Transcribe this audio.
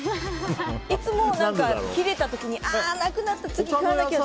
いつも切れた時にああ、なくなった次買わなきゃって。